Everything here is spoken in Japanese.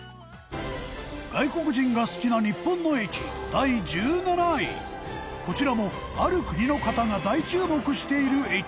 外国人が好きな日本の駅第１７位こちらも、ある国の方が大注目している駅